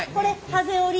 ハゼ折り。